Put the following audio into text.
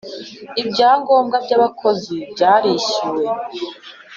Ibyangombwa by abakozi byarishyuwe